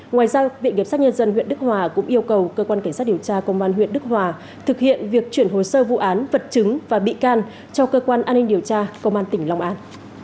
ngoài ra viện kiểm sát nhân dân huyện đức hòa cũng yêu cầu cơ quan cảnh sát điều tra công an huyện đức hòa thực hiện việc chuyển hồ sơ vụ án vật chứng và bị can cho cơ quan an ninh điều tra công an tỉnh long an